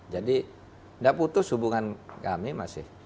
jadi tidak putus hubungan kami masih